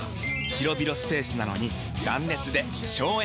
広々スペースなのに断熱で省エネ！